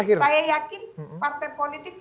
jadi saya yakin partai politik